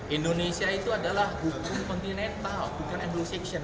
indonesia itu adalah hukum kontinental bukan endosiksyen